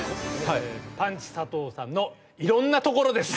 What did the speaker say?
パンチ佐藤さんのいろんなところです。